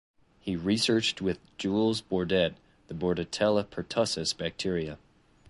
He researched with Jules Bordet the "Bordetella pertussis" bacteria.